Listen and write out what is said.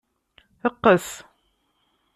Qqes.